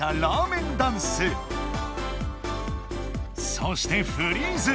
そして「フリーズ」。